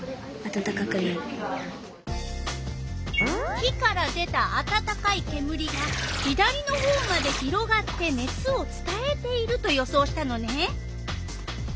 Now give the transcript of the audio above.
火から出たあたたかいけむりが左のほうまで広がって熱をつたえていると予想したのね。